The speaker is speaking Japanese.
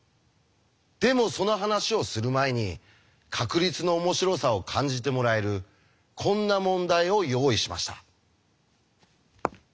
でもその話をする前に確率の面白さを感じてもらえるこんな問題を用意しました。